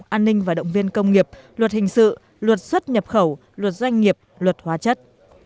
an ninh và động viên công nghiệp luật hình sự luật xuất nhập khẩu luật doanh nghiệp luật hóa chất